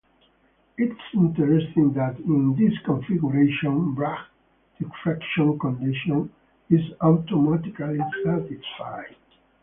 It is interesting that in this configuration, Bragg diffraction condition is automatically satisfied.